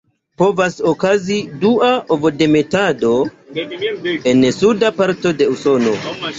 Povas okazi dua ovodemetado en suda parto de Usono.